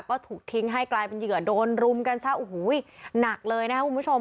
ก็ถูกทิ้งให้กลายเป็นเหยื่อโดนรุมกันซะโอ้โหหนักเลยนะครับคุณผู้ชม